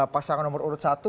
pasangan nomor urut satu